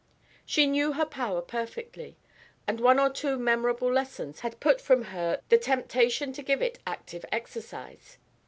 She knew her power perfectly, and after one or two memorable lessons had put from her the temptation to give it active exercise.